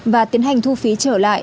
và tiến hành thu phí trở lại